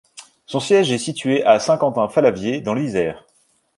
Son siège est situé à Saint-Quentin-Fallavier dans l'Isère.